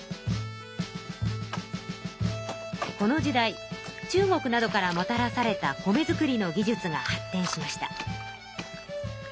この時代中国などからもたらされた米作りの技術が発てんしました。